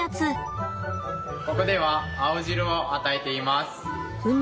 ここでは青汁を与えています。